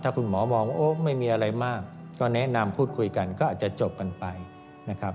คุณหมอมองว่าไม่มีอะไรมากก็แนะนำพูดคุยกันก็อาจจะจบกันไปนะครับ